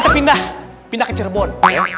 pindah pindah ke cirebon